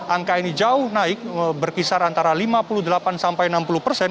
angka ini jauh naik berkisar antara lima puluh delapan sampai enam puluh persen